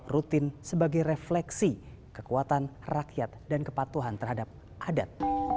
rutin sebagai refleksi kekuatan rakyat dan kepatuhan terhadap adat